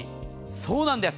そうなんです。